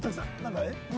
何？